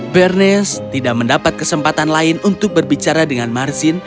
bernest tidak mendapat kesempatan lain untuk berbicara dengan marzin